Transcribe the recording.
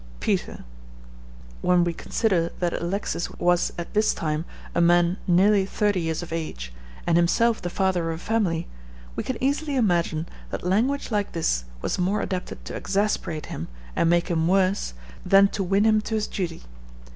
PETER." When we consider that Alexis was at this time a man nearly thirty years of age, and himself the father of a family, we can easily imagine that language like this was more adapted to exasperate him and make him worse than to win him to his duty.